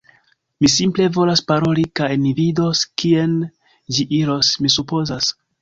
Mi simple volas paroli kaj ni vidos kien ĝi iros, mi supozas.